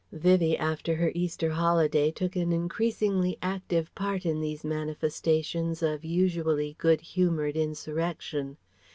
Vivie after her Easter holiday took an increasingly active part in these manifestations of usually good humoured insurrection.